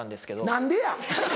何でや！